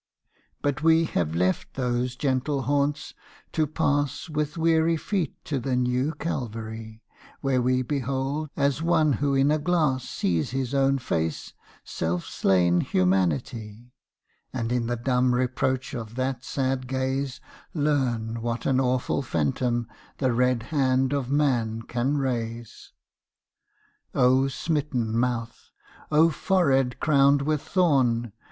But we have left those gentle haunts to pass With weary feet to the new Calvary, Where we behold, as one who in a glass Sees his own face, self slain Humanity, And in the dumb reproach of that sad gaze Learn what an awful phantom the red hand of man can raise. O smitten mouth! O forehead crowned with thorn!